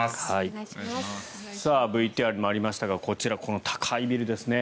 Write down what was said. ＶＴＲにもありましたがこちら、この高いビルですね。